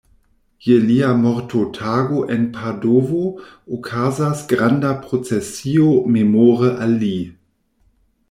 Je lia mortotago en Padovo okazas granda procesio memore al li.